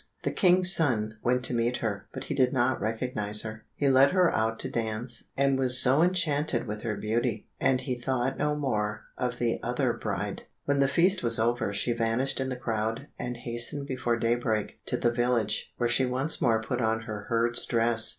The King's son went to meet her, but he did not recognize her. He led her out to dance, and was so enchanted with her beauty, that he thought no more of the other bride. When the feast was over, she vanished in the crowd, and hastened before daybreak to the village, where she once more put on her herd's dress.